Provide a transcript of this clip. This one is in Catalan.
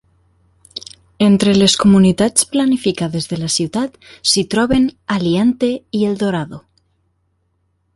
Entre les comunitats planificades de la ciutat s'hi troben Aliante i Eldorado.